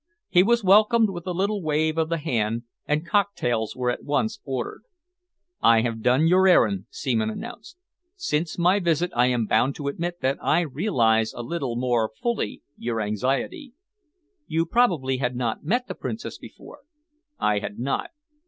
He was welcomed with a little wave of the hand, and cocktails were at once ordered. "I have done your errand," Seaman announced. "Since my visit I am bound to admit that I realise a little more fully your anxiety." "You probably had not met the Princess before?" "I had not.